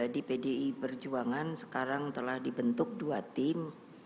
di pdi perjuangan sekarang telah dibentuk dua tim